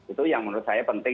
itu yang menurut saya penting